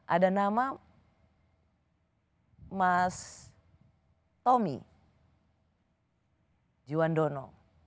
ada nama mas tommy juandono